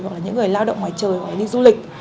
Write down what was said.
hoặc là những người lao động ngoài trời hoặc đi du lịch